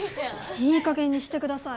いいかげんにしてください。